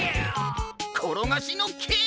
ころがしのけい！